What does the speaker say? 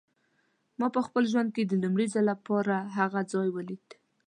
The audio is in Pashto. ما په خپل ژوند کې د لومړي ځل لپاره هغه ځای لیده.